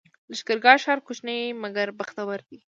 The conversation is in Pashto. لښکرګاه ښار کوچنی مګر بختور دی